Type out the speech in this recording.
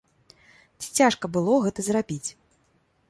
Ці цяжка было гэта зрабіць?